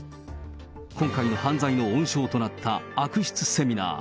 今回の犯罪の温床となった悪質セミナー。